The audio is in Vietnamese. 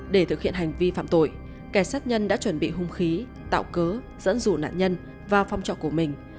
để thực hiện hành vi phạm tội kẻ sát nhân đã chuẩn bị hung khí tạo cớ dẫn dụ nạn nhân vào phong trọc của mình